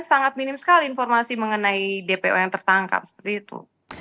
sangat minim sekali informasi mengenai dpo yang tertangkap seperti itu